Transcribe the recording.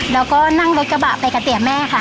แล้วก็นั่งรถกระบะไปกับเตี๋ยแม่ค่ะ